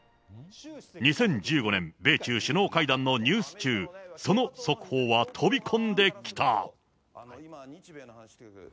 ２０１５年、米中首脳会談のニュース中、その速報は飛び込んできた。